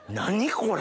これ。